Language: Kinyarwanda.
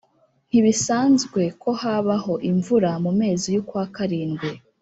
Ntibisamzwe ko habaho imvura mu mezi y’ukwa karindwi